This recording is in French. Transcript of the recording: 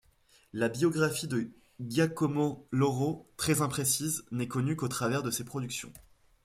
La biographie de Giacomo Lauro, très imprécise, n'est connue qu'au travers de ses productions.